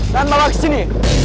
dan bawa ke sini